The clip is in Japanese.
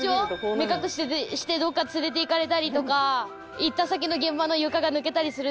目隠ししてどこか連れて行かれたりとか行った先の現場の床が抜けたりするんですよね。